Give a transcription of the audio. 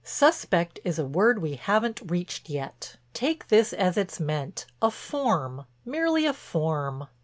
Suspect is a word we haven't reached yet. Take this as it's meant—a form, merely a form."